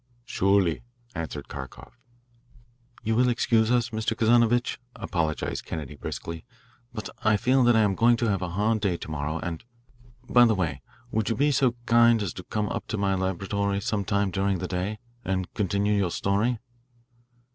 "Surely," answered Kharkoff. "You will excuse us, Mr. Kazanovitch," apologised Kennedy briskly, "but I feel that I am going to have a hard day to morrow and by the way, would you be so kind as to come up to my laboratory some time during the day, and continue your story."